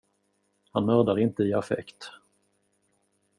Han mördar inte i affekt.